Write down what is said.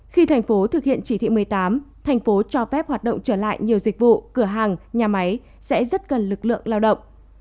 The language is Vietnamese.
khi thành phố thực hiện chỉ thị một mươi tám thành phố cho phép hoạt động trở lại nhiều dịch vụ cửa hàng nhà máy sẽ rất cần lực lượng lao động